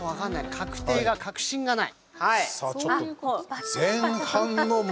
確定が、確信がない。